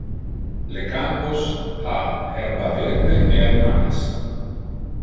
Le campos ha herba verde e animales.